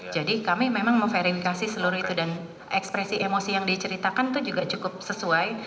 jadi kami memang me verifikasi seluruh itu dan ekspresi emosi yang diceritakan itu juga cukup sesuai